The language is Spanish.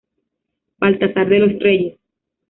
Baltasar de los Reyes.